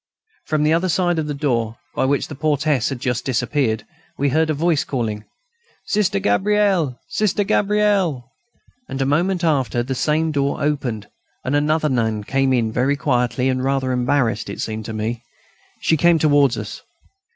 From the other side of the door, by which the portress had just disappeared, we heard a voice calling: "Sister Gabrielle!... Sister Gabrielle!..." And a moment after, the same door opened, and another nun came in very quietly, and rather embarrassed, as it seemed to me. She came towards us.